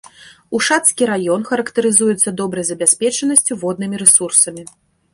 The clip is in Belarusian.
Ушацкі раён характарызуецца добрай забяспечанасцю воднымі рэсурсамі.